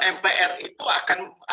mpr itu akan